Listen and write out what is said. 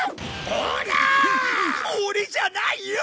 オレじゃないよ！